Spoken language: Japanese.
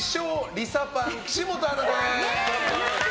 リサパン岸本アナです。